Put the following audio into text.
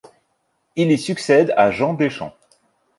Il y succède à Jean Deschamps.